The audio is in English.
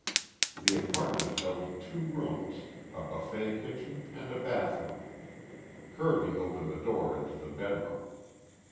The apartment held two rooms, a buffet kitchen and a bathroom. Kirby opened the door into the bedroom.